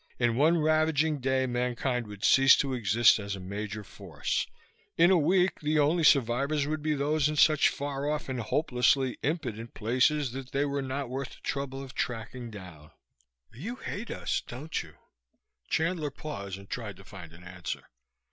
In one ravaging day mankind would cease to exist as a major force. In a week the only survivors would be those in such faroff and hopelessly impotent places that they were not worth the trouble of tracking down. "You hate us, don't you?" Chandler paused and tried to find an answer.